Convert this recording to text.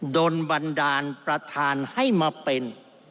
โดนบันดาลประธานให้มาเป็น